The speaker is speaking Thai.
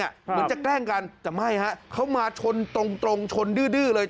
เหมือนจะแกล้งกันแต่ไม่ฮะเขามาชนตรงชนดื้อเลย